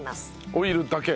オイルだけ？